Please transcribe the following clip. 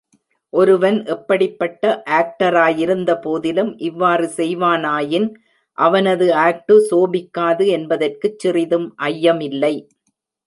ஒருவன் எப்படிப்பட்ட ஆக்டராயிருந்தபோதிலும், இவ்வாறு செய்வானாயின் அவனது ஆக்டு சோபிக்காது என்பதற்குச் சிறிதும் ஐயமில்லை.